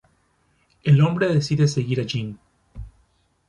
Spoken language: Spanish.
El hombre decide seguir a Jeanne.